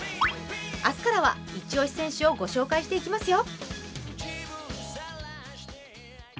明日からはイチオシ選手をご紹介していきますよ。